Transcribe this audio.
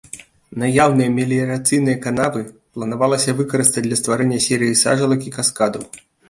Наяўныя меліярацыйныя канавы планавалася выкарыстаць для стварэння серыі сажалак і каскадаў.